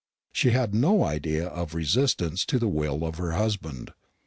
She had no idea of resistance to the will of her husband.